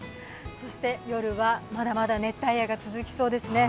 夜はまだまだ熱帯夜が続きそうですね。